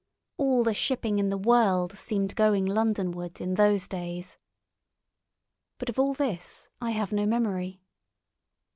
All the shipping in the world seemed going Londonward in those days. But of all this I have no memory.